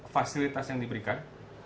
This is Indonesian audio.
fasilitas yang diberikan